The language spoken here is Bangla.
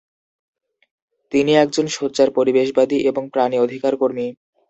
তিনি একজন সোচ্চার পরিবেশবাদী এবং প্রাণী অধিকার কর্মী।